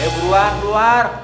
ayo buruan keluar